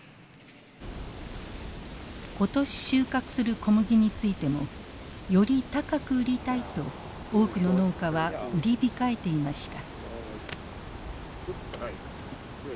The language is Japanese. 今年収穫する小麦についてもより高く売りたいと多くの農家は売り控えていました。